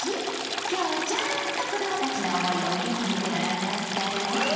今日はちゃんと子どもたちの思いを受け止めてもらいますからね！